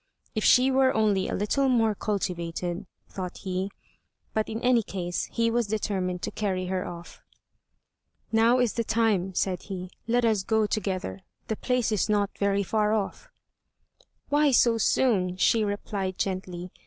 "If she were only a little more cultivated," thought he, but, in any case, he was determined to carry her off. "Now is the time," said he, "let us go together, the place is not very far off." "Why so soon?" she replied, gently.